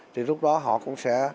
thì lúc đó họ cũng sẽ